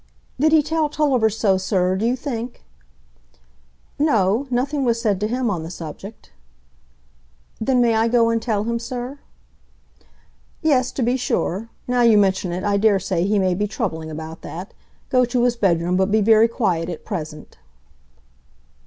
"Did he tell Tulliver so, sir, do you think?" "No; nothing was said to him on the subject." "Then may I go and tell him, sir?" "Yes, to be sure; now you mention it, I dare say he may be troubling about that. Go to his bedroom, but be very quiet at present."